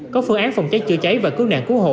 có phương án phòng cháy chữa cháy và cứu nạn cứu hộ